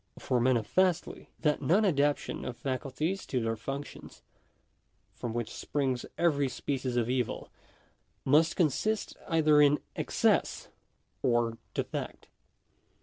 For manifestly, that non adaptation of faculties to their functions, from which springs every species of evil, must consist either in excess or defect.